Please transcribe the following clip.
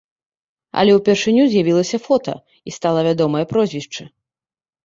Але ўпершыню з'явілася фота і стала вядомае прозвішча.